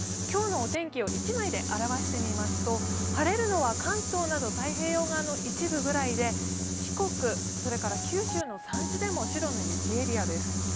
今日のお天気を１枚で表してみますと晴れるのは関東など太平洋側の一部ぐらいで四国、九州の山地でも白の雪エリアです。